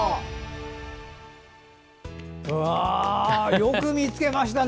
よく見つけましたね